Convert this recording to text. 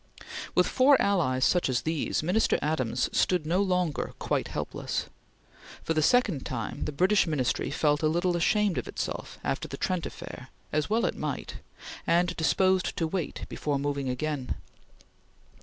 With four such allies as these, Minister Adams stood no longer quite helpless. For the second time the British Ministry felt a little ashamed of itself after the Trent Affair, as well it might, and disposed to wait before moving again.